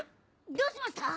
どうしました？